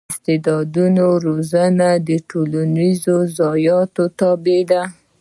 د استعدادونو روزنه د ټولنیزو شرایطو تابع ده.